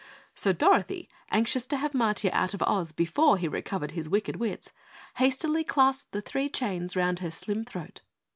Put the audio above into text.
So Dorothy, anxious to have Matiah out of Oz before he recovered his wicked wits, hastily clasped the three chains around her slim throat.